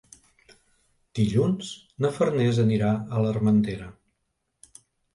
Dilluns na Farners anirà a l'Armentera.